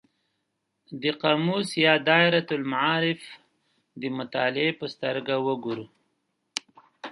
د قاموس یا دایرة المعارف د مطالعې په سترګه وګورو.